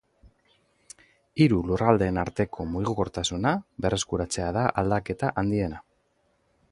Hiru lurraldeen arteko mugikortasuna berreskuratzea da aldaketa handiena.